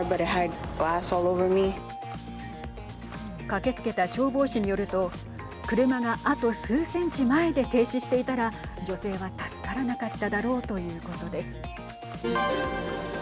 駆けつけた消防士によると車が、あと数センチ前で停止していたら女性は助からなかっただろうということです。